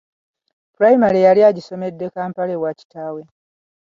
Pulayimale yali agisomedde kampala ewa kitaawe.